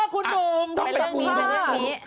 คุณหนุ่มพบในอีก๕